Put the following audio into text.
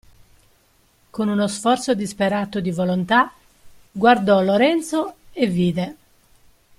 Con uno sforzo disperato di volontà guardò Lorenzo e vide.